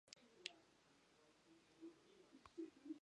өттүн хаптаччы үктэтэн баран иннин диэки дьүккүҥ- нүү сатыы сытаахтыыра